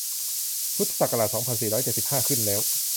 พุทธศักราช สองพันสี่ร้อยเจ็ดสิบห้า ขึ้นแล้ว